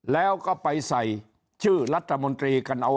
แล้วก็ไปใส่ชื่อรัฐมนตรีกันเอา